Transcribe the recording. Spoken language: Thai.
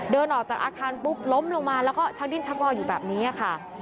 ก็ต่อกับอาการปุ๊บลงลงมาแล้วก็ชักดินชักบอดอยู่แบบนี้ค่ะ